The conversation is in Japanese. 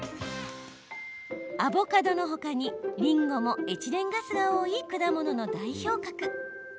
アボカドのほかにりんごもエチレンガスが多い果物の代表格。